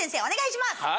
お願いします。